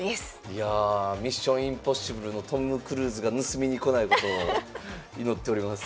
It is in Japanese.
いや「ミッション：インポッシブル」のトム・クルーズが盗みに来ないことを祈っております。